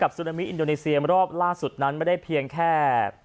ซูนามิอินโดนีเซียรอบล่าสุดนั้นไม่ได้เพียงแค่